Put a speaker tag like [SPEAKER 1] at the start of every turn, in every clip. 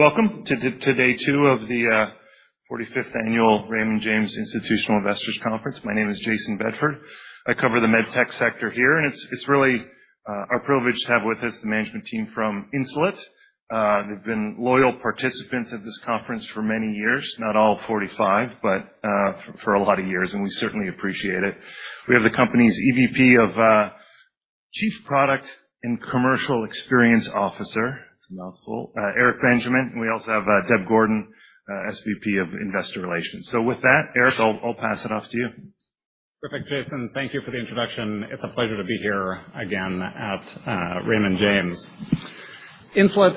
[SPEAKER 1] Welcome to day two of the 45th annual Raymond James Institutional Investors Conference. My name is Jayson Bedford. I cover the medtech sector here, and it's really our privilege to have with us the management team from Insulet. They've been loyal participants of this conference for many years, not all 45, but for a lot of years, and we certainly appreciate it. We have the company's EVP of Chief Product and Commercial Experience Officer (it's a mouthful), Eric Benjamin, and we also have Deb Gordon, SVP of Investor Relations. So with that, Eric, I'll pass it off to you.
[SPEAKER 2] Perfect, Jayson. Thank you for the introduction. It's a pleasure to be here again at Raymond James. Insulet,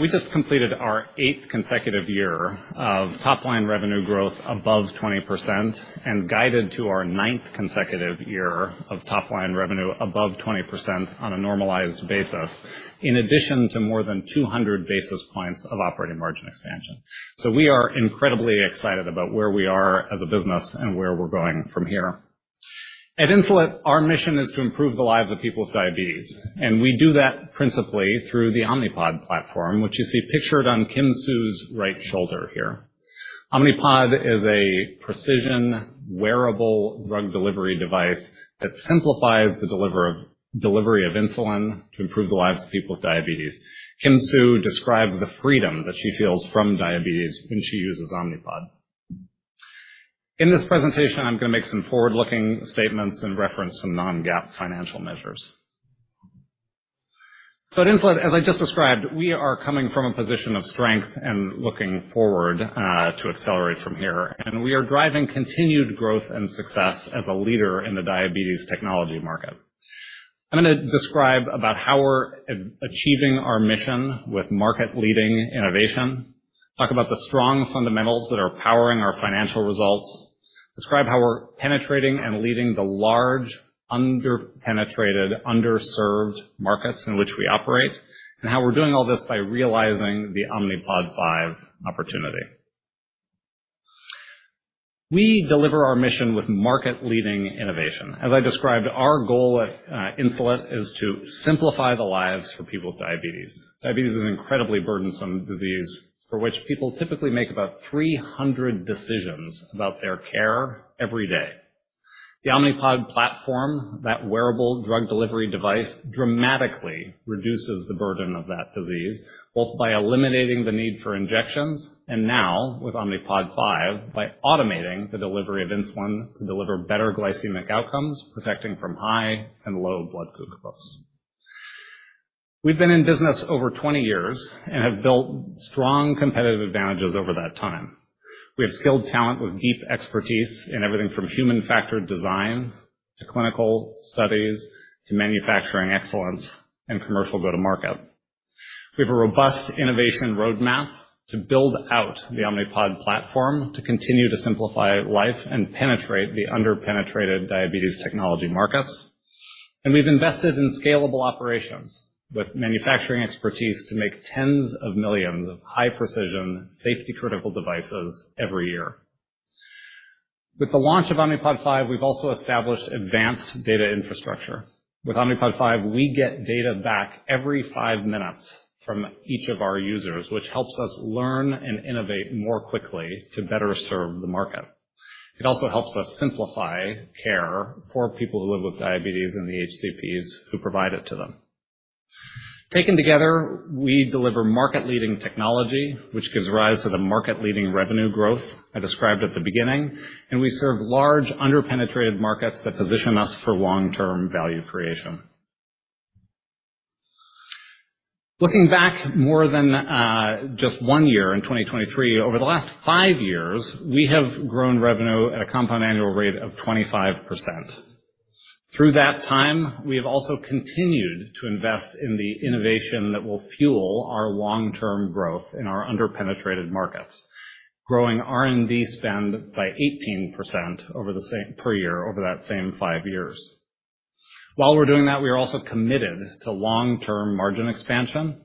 [SPEAKER 2] we just completed our eighth consecutive year of top-line revenue growth above 20% and guided to our ninth consecutive year of top-line revenue above 20% on a normalized basis, in addition to more than 200 basis points of operating margin expansion. So we are incredibly excited about where we are as a business and where we're going from here. At Insulet, our mission is to improve the lives of people with diabetes, and we do that principally through the Omnipod platform, which you see pictured on Kim Soo's right shoulder here. Omnipod is a precision, wearable drug delivery device that simplifies the delivery of insulin to improve the lives of people with diabetes. Kim Soo describes the freedom that she feels from diabetes when she uses Omnipod. In this presentation, I'm going to make some forward-looking statements and reference some non-GAAP financial measures. So at Insulet, as I just described, we are coming from a position of strength and looking forward to accelerate from here, and we are driving continued growth and success as a leader in the diabetes technology market. I'm going to describe about how we're achieving our mission with market-leading innovation, talk about the strong fundamentals that are powering our financial results, describe how we're penetrating and leading the large, under-penetrated, underserved markets in which we operate, and how we're doing all this by realizing the Omnipod 5 opportunity. We deliver our mission with market-leading innovation. As I described, our goal at Insulet is to simplify the lives for people with diabetes. Diabetes is an incredibly burdensome disease for which people typically make about 300 decisions about their care every day. The Omnipod platform, that wearable drug delivery device, dramatically reduces the burden of that disease, both by eliminating the need for injections and now, with Omnipod 5, by automating the delivery of insulin to deliver better glycemic outcomes, protecting from high and low blood glucose. We've been in business over 20 years and have built strong competitive advantages over that time. We have skilled talent with deep expertise in everything from human factors design to clinical studies to manufacturing excellence and commercial go-to-market. We have a robust innovation roadmap to build out the Omnipod platform to continue to simplify life and penetrate the under-penetrated diabetes technology markets, and we've invested in scalable operations with manufacturing expertise to make tens of millions of high-precision, safety-critical devices every year. With the launch of Omnipod 5, we've also established advanced data infrastructure. With Omnipod 5, we get data back every five minutes from each of our users, which helps us learn and innovate more quickly to better serve the market. It also helps us simplify care for people who live with diabetes and the HCPs who provide it to them. Taken together, we deliver market-leading technology, which gives rise to the market-leading revenue growth I described at the beginning, and we serve large, under-penetrated markets that position us for long-term value creation. Looking back more than just one year in 2023, over the last five years, we have grown revenue at a compound annual rate of 25%. Through that time, we have also continued to invest in the innovation that will fuel our long-term growth in our under-penetrated markets, growing R&D spend by 18% per year over that same five years. While we're doing that, we are also committed to long-term margin expansion,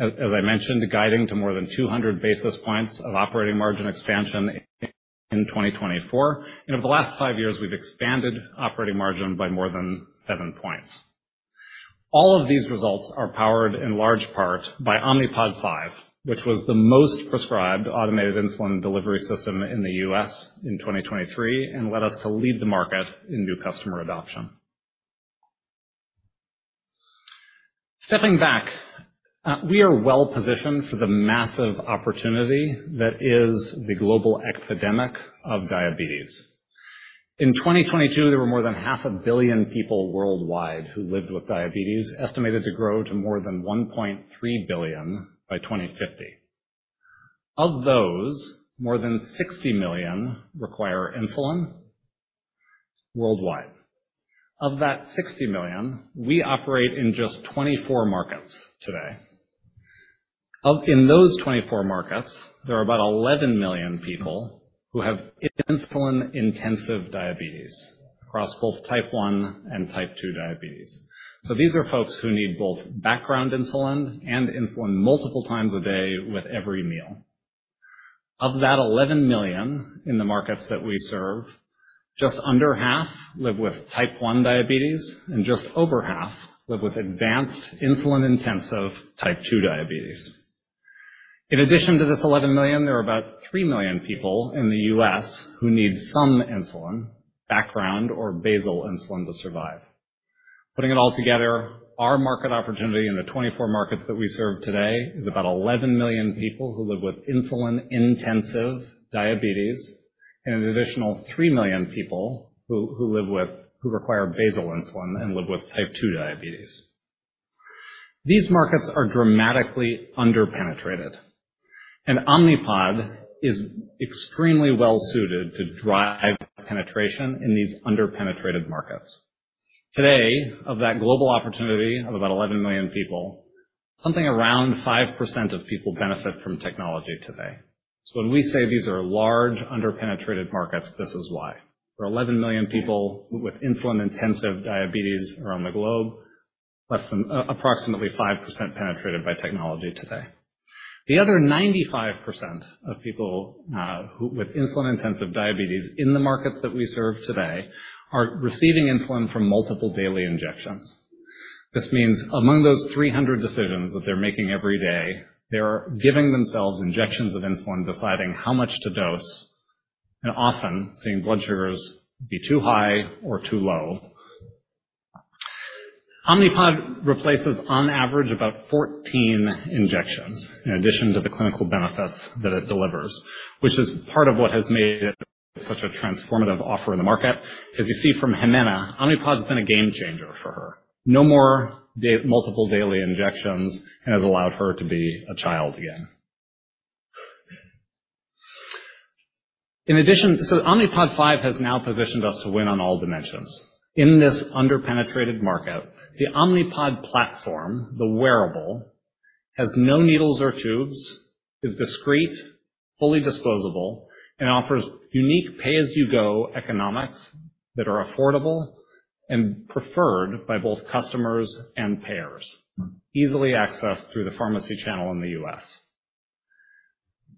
[SPEAKER 2] as I mentioned, guiding to more than 200 basis points of operating margin expansion in 2024, and over the last 5 years, we've expanded operating margin by more than 7 points. All of these results are powered in large part by Omnipod 5, which was the most prescribed automated insulin delivery system in the U.S. in 2023 and led us to lead the market in new customer adoption. Stepping back, we are well-positioned for the massive opportunity that is the global epidemic of diabetes. In 2022, there were more than 500 million people worldwide who lived with diabetes, estimated to grow to more than 1.3 billion by 2050. Of those, more than 60 million require insulin worldwide. Of that 60 million, we operate in just 24 markets today. In those 24 markets, there are about 11 million people who have insulin-intensive diabetes across both type 1 and type 2 diabetes. So these are folks who need both background insulin and insulin multiple times a day with every meal. Of that 11 million in the markets that we serve, just under half live with type 1 diabetes, and just over half live with advanced, insulin-intensive type 2 diabetes. In addition to this 11 million, there are about 3 million people in the U.S. who need some insulin, background or basal insulin, to survive. Putting it all together, our market opportunity in the 24 markets that we serve today is about 11 million people who live with insulin-intensive diabetes and an additional 3 million people who require basal insulin and live with type 2 diabetes. These markets are dramatically under-penetrated, and Omnipod is extremely well-suited to drive penetration in these under-penetrated markets. Today, of that global opportunity of about 11 million people, something around 5% of people benefit from technology today. So when we say these are large, under-penetrated markets, this is why. There are 11 million people with insulin-intensive diabetes around the globe, approximately 5% penetrated by technology today. The other 95% of people with insulin-intensive diabetes in the markets that we serve today are receiving insulin from multiple daily injections. This means, among those 300 decisions that they're making every day, they are giving themselves injections of insulin, deciding how much to dose, and often seeing blood sugars be too high or too low. Omnipod replaces, on average, about 14 injections in addition to the clinical benefits that it delivers, which is part of what has made it such a transformative offer in the market. As you see from Jimena, Omnipod's been a game-changer for her. No more multiple daily injections has allowed her to be a child again. So Omnipod 5 has now positioned us to win on all dimensions. In this under-penetrated market, the Omnipod platform, the wearable, has no needles or tubes, is discreet, fully disposable, and offers unique pay-as-you-go economics that are affordable and preferred by both customers and payers, easily accessed through the pharmacy channel in the U.S.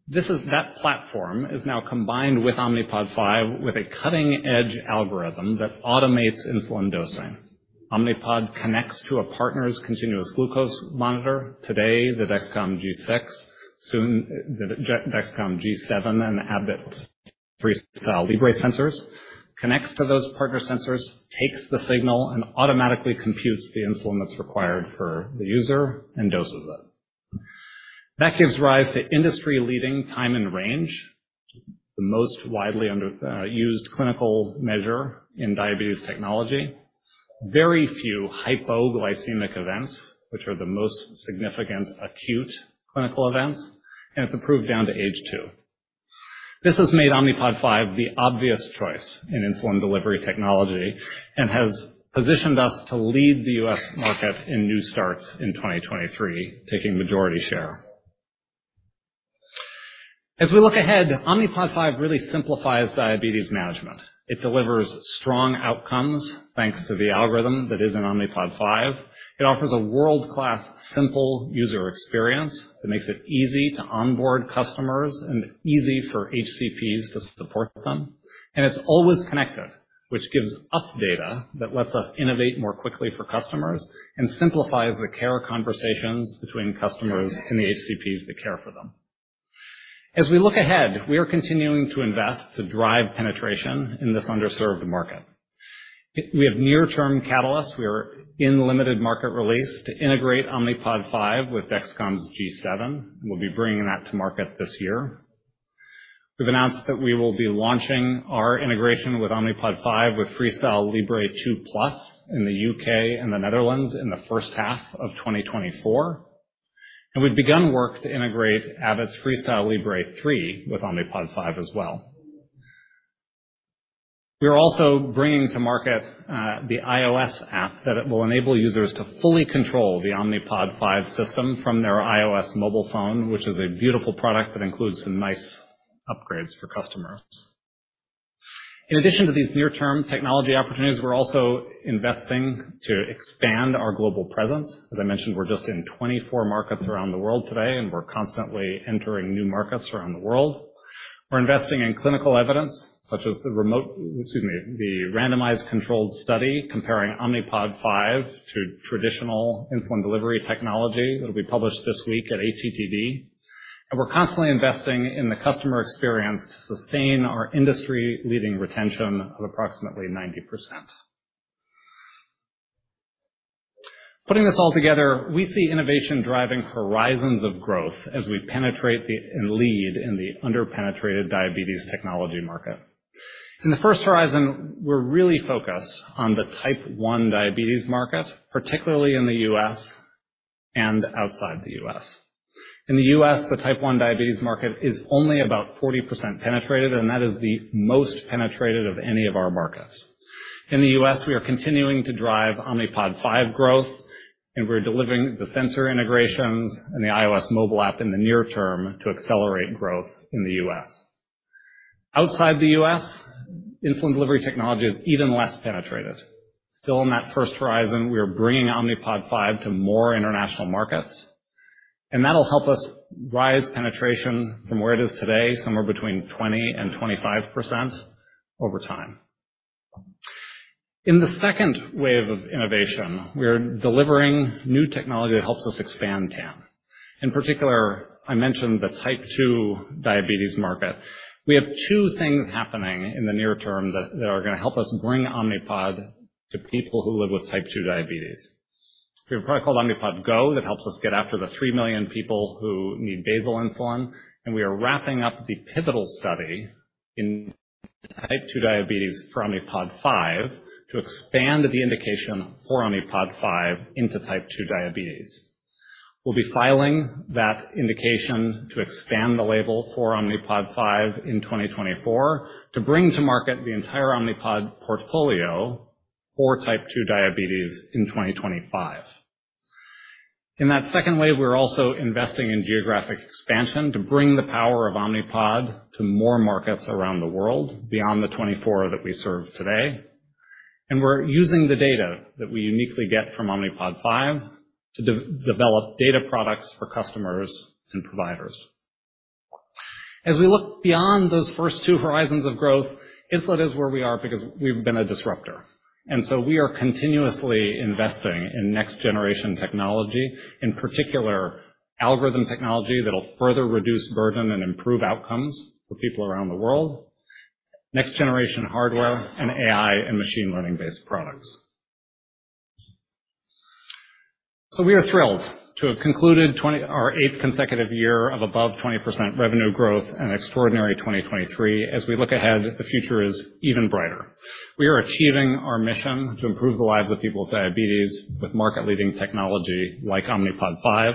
[SPEAKER 2] That platform is now combined with Omnipod 5 with a cutting-edge algorithm that automates insulin dosing. Omnipod connects to a partner's continuous glucose monitor today, the Dexcom G7 and Abbott FreeStyle Libre sensors, connects to those partner sensors, takes the signal, and automatically computes the insulin that's required for the user and doses it. That gives rise to industry-leading time in range, the most widely used clinical measure in diabetes technology, very few hypoglycemic events, which are the most significant acute clinical events, and it's approved down to age two. This has made Omnipod 5 the obvious choice in insulin delivery technology and has positioned us to lead the U.S. market in new starts in 2023, taking majority share. As we look ahead, Omnipod 5 really simplifies diabetes management. It delivers strong outcomes thanks to the algorithm that is in Omnipod 5. It offers a world-class, simple user experience that makes it easy to onboard customers and easy for HCPs to support them, and it's always connected, which gives us data that lets us innovate more quickly for customers and simplifies the care conversations between customers and the HCPs that care for them. As we look ahead, we are continuing to invest to drive penetration in this underserved market. We have near-term catalysts. We are in limited market release to integrate Omnipod 5 with Dexcom's G7, and we'll be bringing that to market this year. We've announced that we will be launching our integration with Omnipod 5 with FreeStyle Libre 2 Plus in the U.K. and the Netherlands in the first half of 2024, and we've begun work to integrate Abbott's FreeStyle Libre 3 with Omnipod 5 as well. We are also bringing to market the iOS app that will enable users to fully control the Omnipod 5 system from their iOS mobile phone, which is a beautiful product that includes some nice upgrades for customers. In addition to these near-term technology opportunities, we're also investing to expand our global presence. As I mentioned, we're just in 24 markets around the world today, and we're constantly entering new markets around the world. We're investing in clinical evidence such as the remote, excuse me, the randomized controlled study comparing Omnipod 5 to traditional insulin delivery technology that will be published this week at ATTD, and we're constantly investing in the customer experience to sustain our industry-leading retention of approximately 90%. Putting this all together, we see innovation driving horizons of growth as we penetrate and lead in the under-penetrated diabetes technology market. In the first horizon, we're really focused on the type 1 diabetes market, particularly in the US and outside the US. In the US, the type 1 diabetes market is only about 40% penetrated, and that is the most penetrated of any of our markets. In the US, we are continuing to drive Omnipod 5 growth, and we're delivering the sensor integrations and the iOS mobile app in the near term to accelerate growth in the US. Outside the US, insulin delivery technology is even less penetrated. Still on that first horizon, we are bringing Omnipod 5 to more international markets, and that'll help us rise penetration from where it is today, somewhere between 20%-25% over time. In the second wave of innovation, we are delivering new technology that helps us expand TAM. In particular, I mentioned the type 2 diabetes market. We have two things happening in the near term that are going to help us bring Omnipod to people who live with type 2 diabetes. We have a product called Omnipod GO that helps us get after the 3 million people who need basal insulin, and we are wrapping up the pivotal study in type 2 diabetes for Omnipod 5 to expand the indication for Omnipod 5 into type 2 diabetes. We'll be filing that indication to expand the label for Omnipod 5 in 2024 to bring to market the entire Omnipod portfolio for type 2 diabetes in 2025. In that second wave, we're also investing in geographic expansion to bring the power of Omnipod to more markets around the world beyond the 24 that we serve today, and we're using the data that we uniquely get from Omnipod 5 to develop data products for customers and providers. As we look beyond those first two horizons of growth, insulin is where we are because we've been a disruptor, and so we are continuously investing in next-generation technology, in particular algorithm technology that'll further reduce burden and improve outcomes for people around the world, next-generation hardware, and AI and machine learning-based products. So we are thrilled to have concluded our eighth consecutive year of above 20% revenue growth and extraordinary 2023. As we look ahead, the future is even brighter. We are achieving our mission to improve the lives of people with diabetes with market-leading technology like Omnipod 5.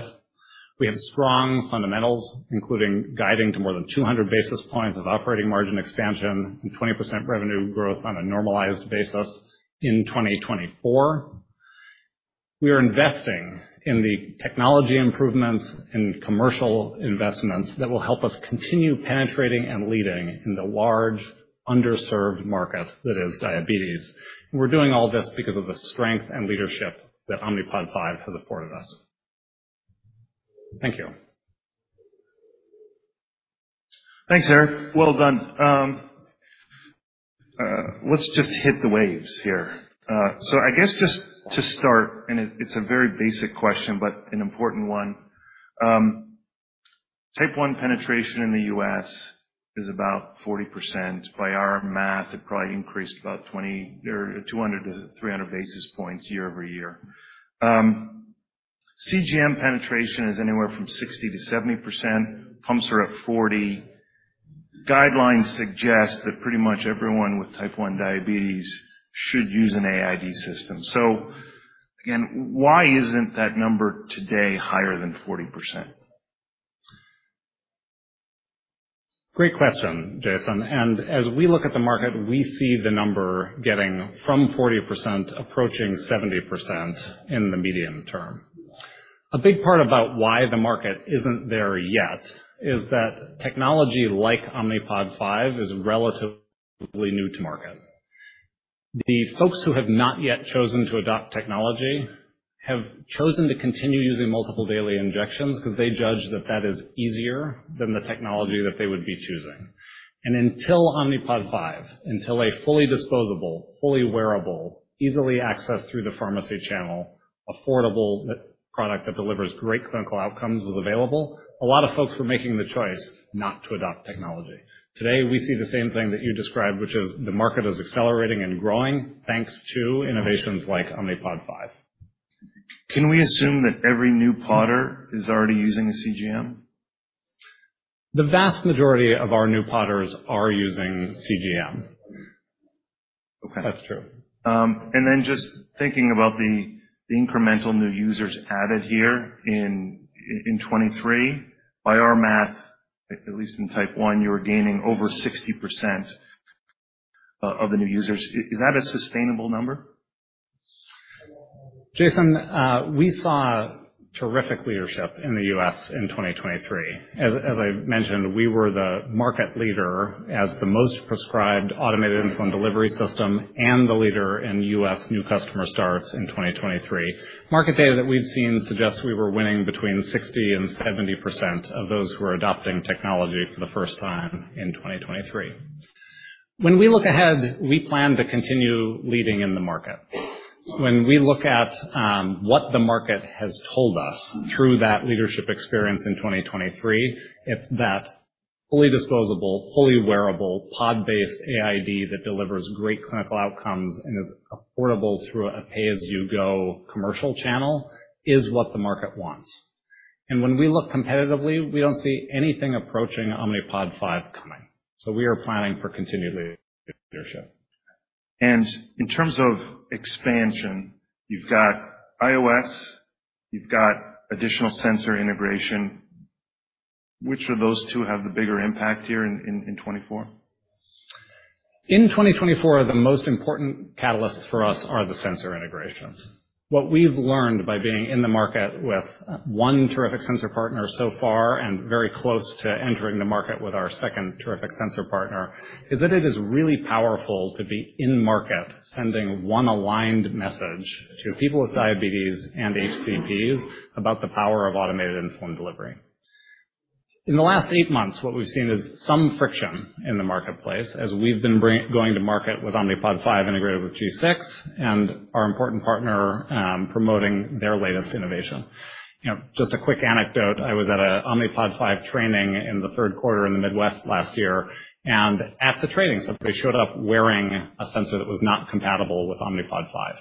[SPEAKER 2] We have strong fundamentals, including guiding to more than 200 basis points of operating margin expansion and 20% revenue growth on a normalized basis in 2024. We are investing in the technology improvements and commercial investments that will help us continue penetrating and leading in the large, underserved market that is diabetes. We're doing all this because of the strength and leadership that Omnipod 5 has afforded us. Thank you.
[SPEAKER 1] Thanks, Eric. Well done. Let's just hit the waves here. So I guess just to start, and it's a very basic question but an important one, type 1 penetration in the U.S. is about 40%. By our math, it probably increased about 200-300 basis points year-over-year. CGM penetration is anywhere from 60%-70%. Pumps are at 40. Guidelines suggest that pretty much everyone with type 1 diabetes should use an AID system. So again, why isn't that number today higher than 40%?
[SPEAKER 2] Great question, Jayson. As we look at the market, we see the number getting from 40% approaching 70% in the medium term. A big part about why the market isn't there yet is that technology like Omnipod 5 is relatively new to market. The folks who have not yet chosen to adopt technology have chosen to continue using multiple daily injections because they judge that that is easier than the technology that they would be choosing. Until Omnipod 5, until a fully disposable, fully wearable, easily accessed through the pharmacy channel, affordable product that delivers great clinical outcomes was available, a lot of folks were making the choice not to adopt technology. Today, we see the same thing that you described, which is the market is accelerating and growing thanks to innovations like Omnipod 5.
[SPEAKER 1] Can we assume that every new Podder is already using a CGM?
[SPEAKER 2] The vast majority of our new podders are using CGM. That's true.
[SPEAKER 1] Then just thinking about the incremental new users added here in 2023, by our math, at least in type 1, you were gaining over 60% of the new users. Is that a sustainable number?
[SPEAKER 2] Jayson, we saw terrific leadership in the U.S. in 2023. As I mentioned, we were the market leader as the most prescribed automated insulin delivery system and the leader in U.S. new customer starts in 2023. Market data that we've seen suggests we were winning between 60% and 70% of those who are adopting technology for the first time in 2023. When we look ahead, we plan to continue leading in the market. When we look at what the market has told us through that leadership experience in 2023, it's that fully disposable, fully wearable, pod-based AID that delivers great clinical outcomes and is affordable through a pay-as-you-go commercial channel is what the market wants. When we look competitively, we don't see anything approaching Omnipod 5 coming. We are planning for continued leadership.
[SPEAKER 1] In terms of expansion, you've got iOS. You've got additional sensor integration. Which of those two have the bigger impact here in 2024?
[SPEAKER 2] In 2024, the most important catalysts for us are the sensor integrations. What we've learned by being in the market with one terrific sensor partner so far and very close to entering the market with our second terrific sensor partner is that it is really powerful to be in market sending one aligned message to people with diabetes and HCPs about the power of automated insulin delivery. In the last eight months, what we've seen is some friction in the marketplace as we've been going to market with Omnipod 5 integrated with G6 and our important partner promoting their latest innovation. Just a quick anecdote, I was at an Omnipod 5 training in the third quarter in the Midwest last year, and at the training, somebody showed up wearing a sensor that was not compatible with Omnipod 5.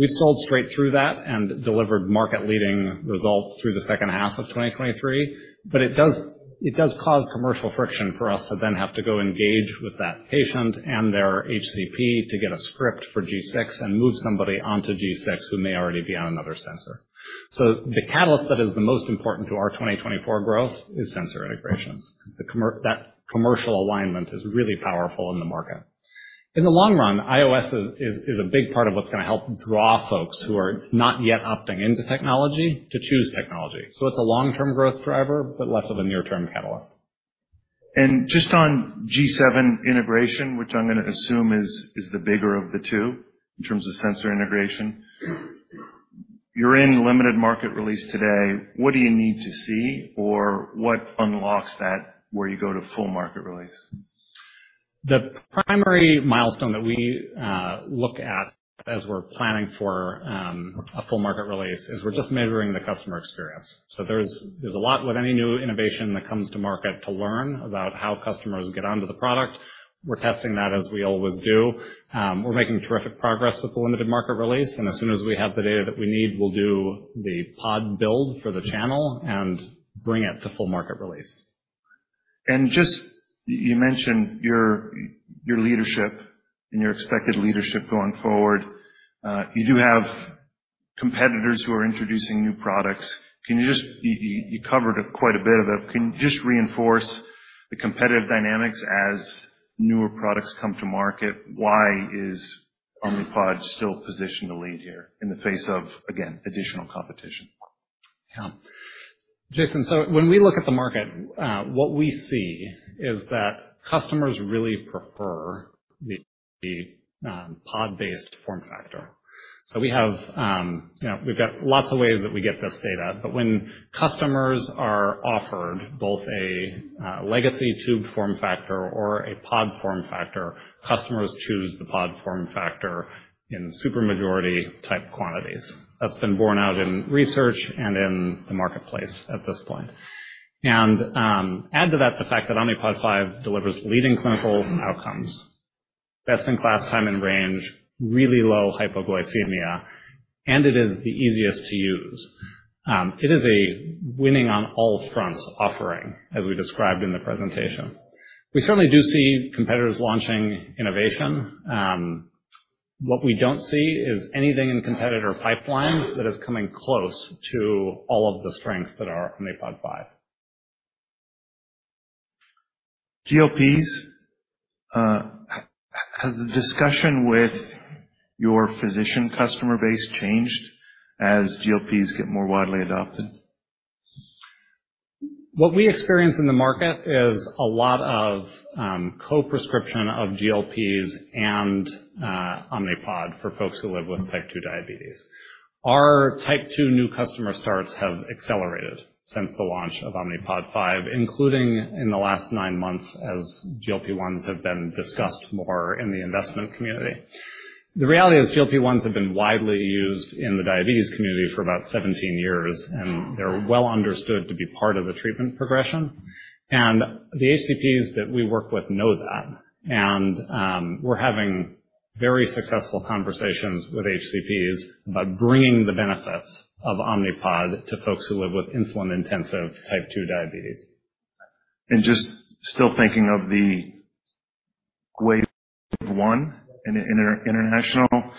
[SPEAKER 2] We've sold straight through that and delivered market-leading results through the second half of 2023, but it does cause commercial friction for us to then have to go engage with that patient and their HCP to get a script for G6 and move somebody onto G6 who may already be on another sensor. So the catalyst that is the most important to our 2024 growth is sensor integrations. That commercial alignment is really powerful in the market. In the long run, iOS is a big part of what's going to help draw folks who are not yet opting into technology to choose technology. So it's a long-term growth driver but less of a near-term catalyst.
[SPEAKER 1] Just on G7 integration, which I'm going to assume is the bigger of the two in terms of sensor integration, you're in limited market release today. What do you need to see, or what unlocks that where you go to full market release?
[SPEAKER 2] The primary milestone that we look at as we're planning for a full market release is we're just measuring the customer experience. There's a lot with any new innovation that comes to market to learn about how customers get onto the product. We're testing that as we always do. We're making terrific progress with the limited market release, and as soon as we have the data that we need, we'll do the pod build for the channel and bring it to full market release.
[SPEAKER 1] You just mentioned your leadership and your expected leadership going forward. You do have competitors who are introducing new products. You covered quite a bit of it. Can you just reinforce the competitive dynamics as newer products come to market? Why is Omnipod still positioned to lead here in the face of, again, additional competition?
[SPEAKER 2] Yeah. Jayson, so when we look at the market, what we see is that customers really prefer the pod-based form factor. So we've got lots of ways that we get this data, but when customers are offered both a legacy tube form factor or a pod form factor, customers choose the pod form factor in super majority type quantities. That's been borne out in research and in the marketplace at this point. And add to that the fact that Omnipod 5 delivers leading clinical outcomes, best-in-class time and range, really low hypoglycemia, and it is the easiest to use. It is a winning-on-all-fronts offering, as we described in the presentation. We certainly do see competitors launching innovation. What we don't see is anything in competitor pipelines that is coming close to all of the strengths that are Omnipod 5.
[SPEAKER 1] GLP-1s, has the discussion with your physician customer base changed as GLP-1s get more widely adopted?
[SPEAKER 2] What we experience in the market is a lot of co-prescription of GLP-1s and Omnipod for folks who live with type 2 diabetes. Our type 2 new customer starts have accelerated since the launch of Omnipod 5, including in the last nine months as GLP-1s have been discussed more in the investment community. The reality is GLP-1s have been widely used in the diabetes community for about 17 years, and they're well understood to be part of the treatment progression. The HCPs that we work with know that. We're having very successful conversations with HCPs about bringing the benefits of Omnipod to folks who live with insulin-intensive type 2 diabetes.
[SPEAKER 1] Just still thinking of the wave one international,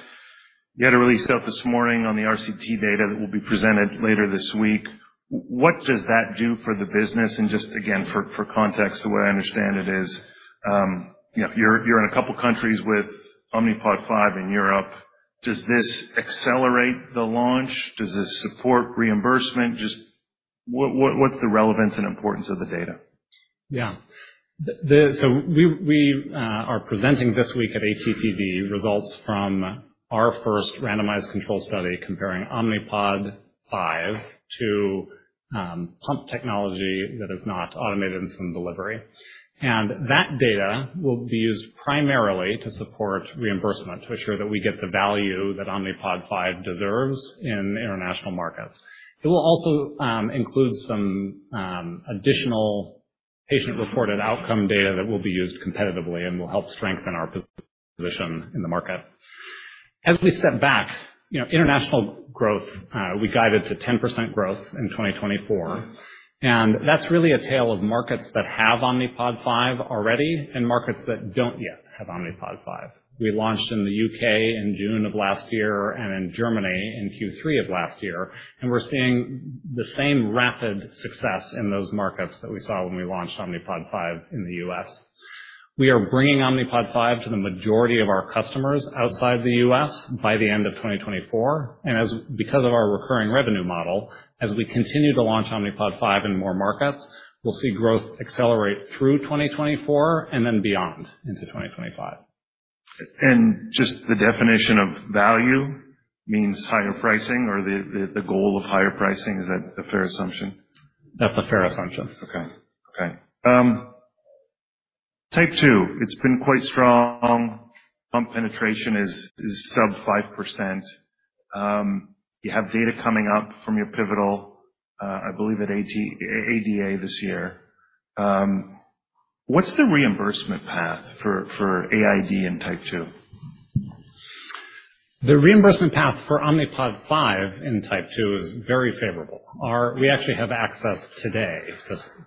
[SPEAKER 1] you had a release out this morning on the RCT data that will be presented later this week. What does that do for the business? Just again, for context, the way I understand it is you're in a couple of countries with Omnipod 5 in Europe. Does this accelerate the launch? Does this support reimbursement? Just what's the relevance and importance of the data?
[SPEAKER 2] Yeah. So we are presenting this week at ATTD results from our first randomized control study comparing Omnipod 5 to pump technology that is not automated insulin delivery. And that data will be used primarily to support reimbursement, to assure that we get the value that Omnipod 5 deserves in international markets. It will also include some additional patient-reported outcome data that will be used competitively and will help strengthen our position in the market. As we step back, international growth, we guided to 10% growth in 2024. And that's really a tale of markets that have Omnipod 5 already and markets that don't yet have Omnipod 5. We launched in the U.K. in June of last year and in Germany in Q3 of last year, and we're seeing the same rapid success in those markets that we saw when we launched Omnipod 5 in the U.S. We are bringing Omnipod 5 to the majority of our customers outside the U.S. by the end of 2024. And because of our recurring revenue model, as we continue to launch Omnipod 5 in more markets, we'll see growth accelerate through 2024 and then beyond into 2025.
[SPEAKER 1] Just the definition of value means higher pricing, or the goal of higher pricing, is that a fair assumption?
[SPEAKER 2] That's a fair assumption.
[SPEAKER 1] Okay. Okay. type 2, it's been quite strong. Pump penetration is sub 5%. You have data coming up from your pivotal, I believe, at ADA this year. What's the reimbursement path for AID in type 2?
[SPEAKER 2] The reimbursement path for Omnipod 5 in type 2 is very favorable. We actually have access today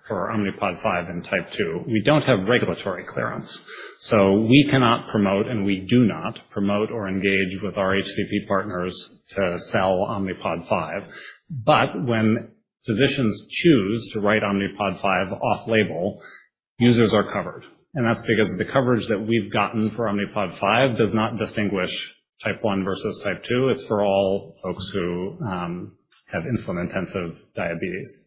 [SPEAKER 2] for Omnipod 5 in type 2. We don't have regulatory clearance, so we cannot promote, and we do not promote or engage with our HCP partners to sell Omnipod 5. But when physicians choose to write Omnipod 5 off-label, users are covered. And that's because the coverage that we've gotten for Omnipod 5 does not distinguish type 1 versus type 2. It's for all folks who have insulin-intensive diabetes.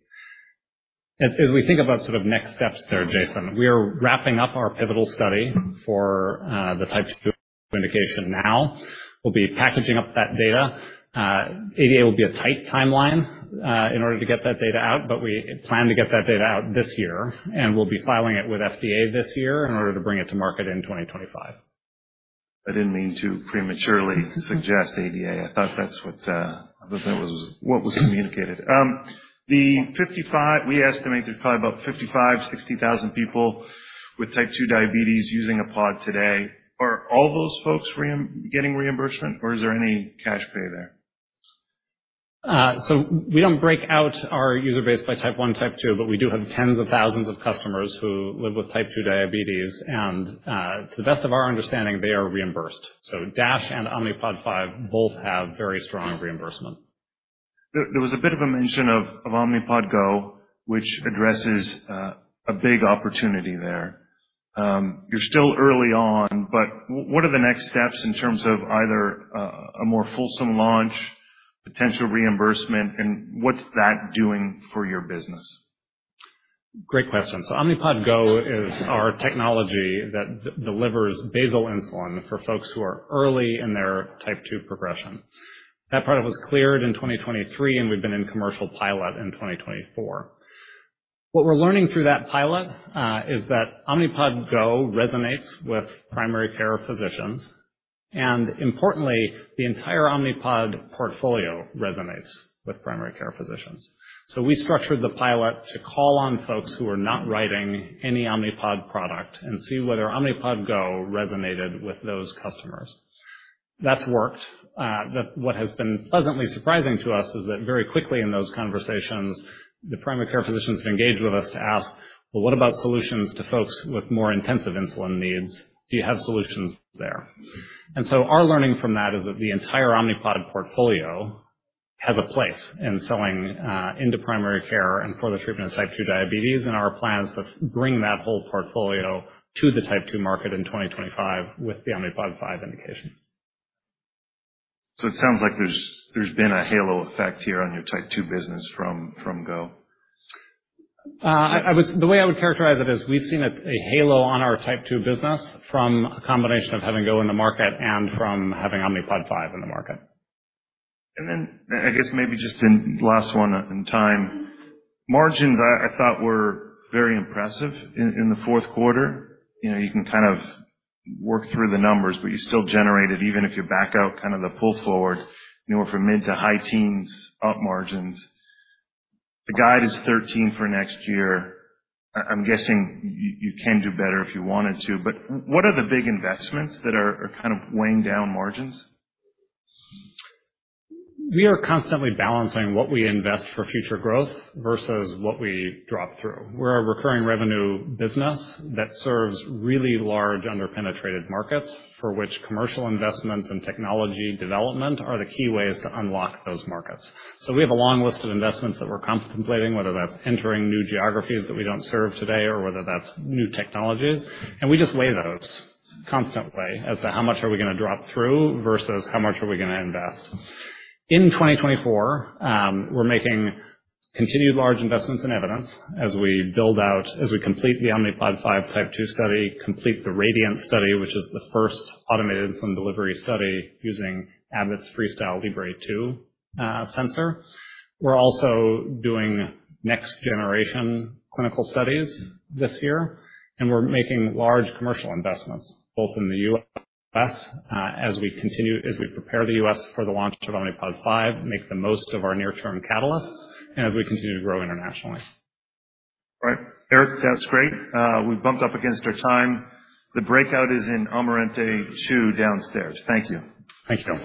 [SPEAKER 2] As we think about sort of next steps there, Jason, we are wrapping up our pivotal study for the type 2 indication now. We'll be packaging up that data. ADA will be a tight timeline in order to get that data out, but we plan to get that data out this year, and we'll be filing it with FDA this year in order to bring it to market in 2025.
[SPEAKER 1] I didn't mean to prematurely suggest ADA. I thought that was what was communicated. We estimate there's probably about 55-60 thousand people with type 2 diabetes using a pod today. Are all those folks getting reimbursement, or is there any cash pay there?
[SPEAKER 2] We don't break out our user base by type 1, type 2, but we do have tens of thousands of customers who live with type 2 diabetes. To the best of our understanding, they are reimbursed. DASH and Omnipod 5 both have very strong reimbursement.
[SPEAKER 1] There was a bit of a mention of Omnipod GO, which addresses a big opportunity there. You're still early on, but what are the next steps in terms of either a more fulsome launch, potential reimbursement, and what's that doing for your business?
[SPEAKER 2] Great question. So Omnipod GO is our technology that delivers basal insulin for folks who are early in their type 2 progression. That product was cleared in 2023, and we've been in commercial pilot in 2024. What we're learning through that pilot is that Omnipod GO resonates with primary care physicians, and importantly, the entire Omnipod portfolio resonates with primary care physicians. So we structured the pilot to call on folks who are not writing any Omnipod product and see whether Omnipod GO resonated with those customers. That's worked. What has been pleasantly surprising to us is that very quickly in those conversations, the primary care physicians have engaged with us to ask, "Well, what about solutions to folks with more intensive insulin needs? “Do you have solutions there?” And so our learning from that is that the entire Omnipod portfolio has a place in selling into primary care and for the treatment of type 2 diabetes, and our plan is to bring that whole portfolio to the type 2 market in 2025 with the Omnipod 5 indication.
[SPEAKER 1] It sounds like there's been a halo effect here on your type 2 business from GO.
[SPEAKER 2] The way I would characterize it is we've seen a halo on our type 2 business from a combination of having GO in the market and from having Omnipod 5 in the market.
[SPEAKER 1] I guess maybe just last one in time. Margins, I thought, were very impressive in the fourth quarter. You can kind of work through the numbers, but you still generated, even if you back out kind of the pull forward, anywhere from mid- to high-teens operating margins. The guide is 13% for next year. I'm guessing you can do better if you wanted to, but what are the big investments that are kind of weighing down margins?
[SPEAKER 2] We are constantly balancing what we invest for future growth versus what we drop through. We're a recurring revenue business that serves really large under-penetrated markets for which commercial investment and technology development are the key ways to unlock those markets. So we have a long list of investments that we're contemplating, whether that's entering new geographies that we don't serve today or whether that's new technologies. And we just weigh those constantly as to how much are we going to drop through versus how much are we going to invest. In 2024, we're making continued large investments in evidence as we build out as we complete the Omnipod 5 type 2 study, complete the RADIANT study, which is the first automated insulin delivery study using Abbott's FreeStyle Libre 2 sensor. We're also doing next-generation clinical studies this year, and we're making large commercial investments both in the U.S. as we prepare the U.S. for the launch of Omnipod 5, make the most of our near-term catalysts, and as we continue to grow internationally.
[SPEAKER 1] All right. Eric, that's great. We've bumped up against our time. The breakout is in Amarante 2 downstairs. Thank you.
[SPEAKER 2] Thank you.